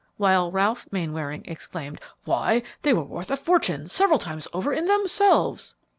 While Ralph Mainwaring exclaimed, "Why, they were worth a fortune several times over in themselves!"